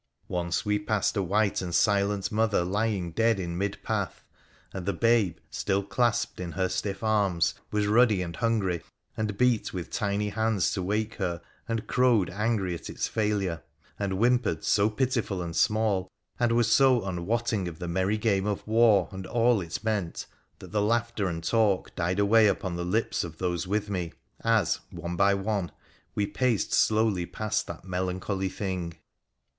Once we passed a white and silent mother lying dead in mid path, and the babe, still clasped in her stiff arms, was ruddy and hungry, and beat with tiny hands to wake her and crowed angry at its failure, and whimpered so pitiful and small, and was so unwotting of the merry game of war and all it 170 WONDERFUL ADVENTURES OP meant, tnat the laughter and talk died away upon the lips of those with me as, one by one, we paced slowly past that melancholy thing.